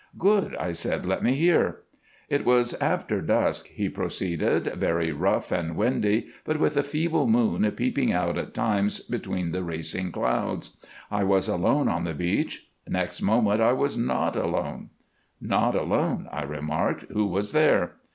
"Good," I said, "let me hear." "It was after dusk," he proceeded, "very rough and windy, but with a feeble moon peeping out at times between the racing clouds. I was alone on the beach. Next moment I was not alone." "Not alone," I remarked. "Who was there?"